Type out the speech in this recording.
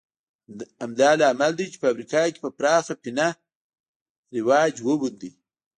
همدا لامل دی چې په امریکا کې په پراخه پینه رواج وموند